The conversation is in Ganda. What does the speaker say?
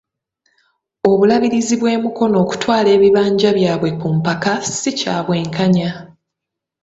Obulabirizi bw'e Mukono okutwala ebibanja byabwe ku mpaka, si kya bwenkanya.